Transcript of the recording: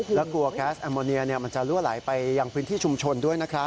แล้วกลัวแก๊สแอมโมเนียมันจะลั่วไหลไปยังพื้นที่ชุมชนด้วยนะครับ